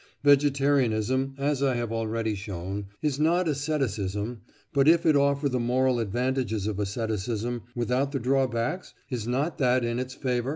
Vegetarianism, as I have already shown, is not asceticism, but if it offer the moral advantages of asceticism without the drawbacks, is not that in its favour?